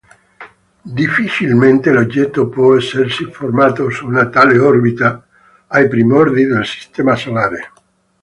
Difficilmente l'oggetto può essersi formato su una tale orbita ai primordi del Sistema solare.